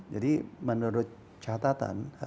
jadi menurut catatan